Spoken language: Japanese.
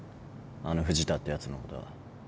あの藤田ってやつのこと。